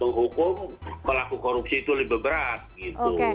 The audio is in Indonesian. menghukum pelaku korupsi itu lebih berat gitu